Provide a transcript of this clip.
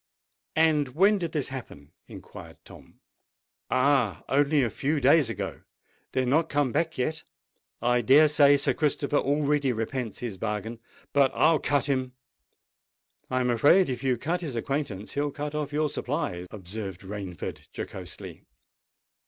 "And when did this happen?" inquired Tom. "Oh! only a few days ago. They are not come back yet. I dare say Sir Christopher already repents his bargain. But I'll cut him!" "I'm afraid if you cut his acquaintance, he'll cut off your supplies," observed Rainford jocosely.